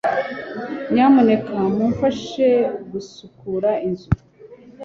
nyamuneka mumfashe gusukura inzu